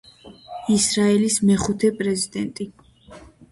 ისრაელის მეხუთე პრეზიდენტი.